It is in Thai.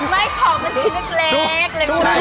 ไม่ของเป็นชิ้นเล็กเลยนะ